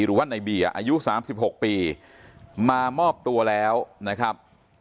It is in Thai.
หรือว่าในเบียร์อายุ๓๖ปีมามอบตัวแล้วนะครับ